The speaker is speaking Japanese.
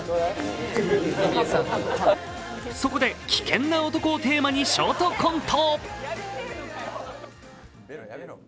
そこで「危険なおとこ」をテーマにショートコント。